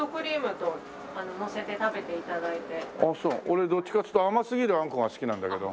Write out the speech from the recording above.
俺どっちかっていうと甘すぎるあんこが好きなんだけど。